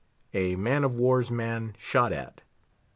A MAN OF WAR'S MAN SHOT AT.